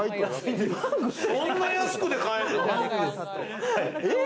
そんな安くて買えんの。